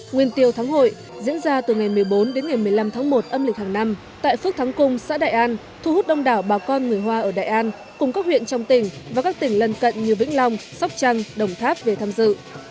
nguyên tiêu thắng hội diễn ra từ ngày một mươi bốn đến ngày một mươi năm tháng một âm lịch hàng năm tại phước thắng cung xã đại an thu hút đông đảo bà con người hoa ở đại an cùng các huyện trong tỉnh và các tỉnh lân cận như vĩnh long sóc trăng đồng tháp về tham dự